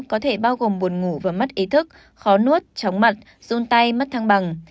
có thể bao gồm buồn ngủ và mất ý thức khó nuốt chóng mặt dôn tay mất thăng bằng